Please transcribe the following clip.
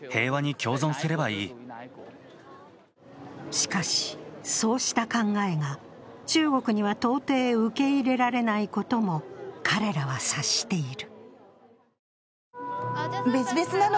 しかし、そうした考えが中国には到底受け入れられないことも彼らは察している。